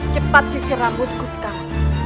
cepat sisir rambutku sekarang